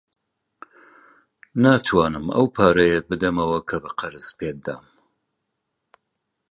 ناتوانم ئەو پارەیەت بدەمەوە کە بە قەرز پێت دام.